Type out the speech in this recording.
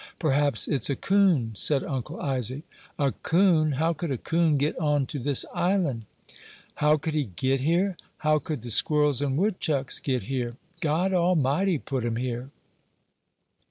"Perhaps it's a coon," said Uncle Isaac. "A coon? How could a coon get on to this island?" "How could he get here? How could the squirrels and woodchucks get here? God Almighty put 'em here."